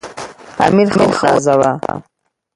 امیر ښه ونازاوه.